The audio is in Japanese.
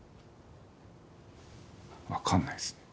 わかんないですね。